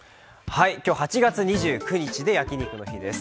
今日８月２９日で焼肉の日です。